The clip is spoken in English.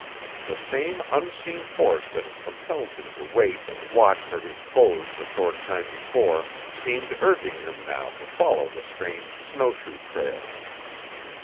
The same unseen force that had compelled him to wait and watch for his foes a short time before seemed urging him now to follow the strange snowshoe trail.